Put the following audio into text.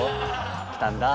来たんだ。